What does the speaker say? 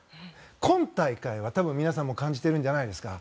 今大会は皆さんも感じているんじゃないんですか。